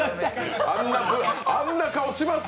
あんな顔します？